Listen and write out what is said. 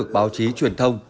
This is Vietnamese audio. báo chí truyền thông